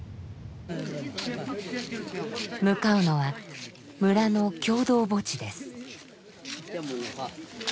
向かうのは村の共同墓地です。